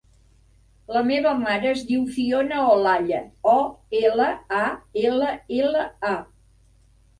La meva mare es diu Fiona Olalla: o, ela, a, ela, ela, a.